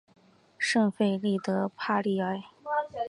圣费利德帕利埃。